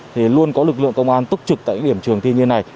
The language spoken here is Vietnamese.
thì luôn có lực lượng công an tức trực tại những điểm trường thi như thế này